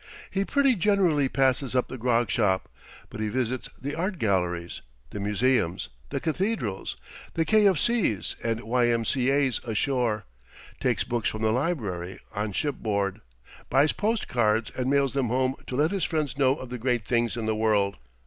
He pretty generally passes up the grog shop, but he visits the art galleries, the museums, the cathedrals, the K. of C.'s, and Y. M. C. A.'s ashore, takes books from the library on shipboard, buys post cards and mails them home to let his friends know of the great things in the world.